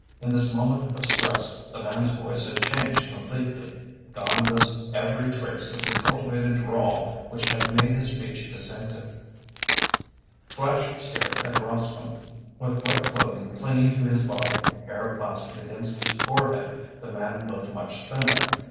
In this moment of stress, the man's voice had changed completely. Gone was every trace of the cultivated drawl which had made his speech distinctive. Flash stared at Rascomb. With wet clothing clinging to his body, hair plastered against his forehead, the man looked much thinner.